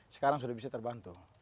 sekarang sudah bisa terbantu